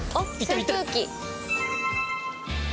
『扇風機』。